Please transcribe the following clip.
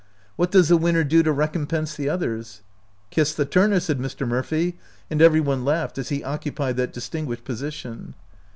What does the winner do to recompense the others?" " Kiss the turner," said Mr. Murphy, and every one laughed, as he occupied that dis tinguished position.